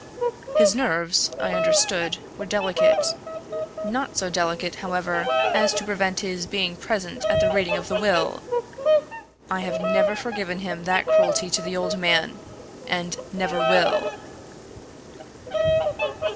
His nerves, I understood, were delicate not so delicate, however, as to prevent his being present at the reading of the will! I have never forgiven him that cruelty to the old man, and never will!"